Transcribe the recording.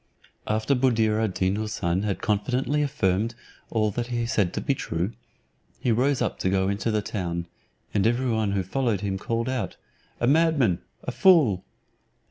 After Buddir ad Deen Houssun had confidently affirmed all that he said to be true, he rose up to go into the town, and every one who followed him called out, "A madman, a fool."